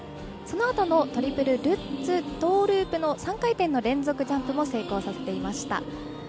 そのあとのトリプルルッツトーループの３回転の連続ジャンプも成功させていました。